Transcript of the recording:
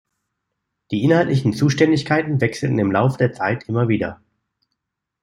Die inhaltlichen Zuständigkeiten wechselten im Lauf der Zeit immer wieder.